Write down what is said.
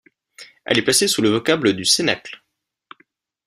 Elle est placée sous le vocable du Cénacle.